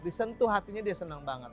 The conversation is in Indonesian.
disentuh hatinya dia senang banget